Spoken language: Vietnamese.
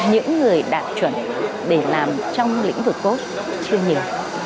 những người đạt chuẩn để làm trong lĩnh vực tốt chưa nhiều